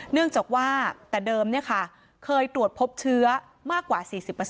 เนื่องจากว่าแต่เดิมเคยตรวจพบเชื้อมากกว่า๔๐